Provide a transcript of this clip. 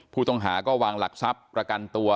ผู้ต้องหาก็วางหลักทรัพย์ประกันตัว